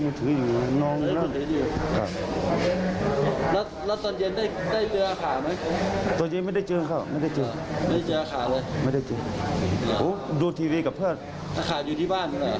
อาผ่าอยู่ที่บ้านหรือเปล่า